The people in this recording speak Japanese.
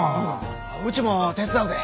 うちも手伝うで。